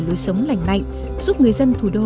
lối sống lành mạnh giúp người dân thủ đô